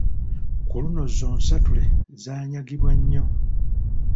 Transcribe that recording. Ku luno zonsatule zanyagibwa nnyo.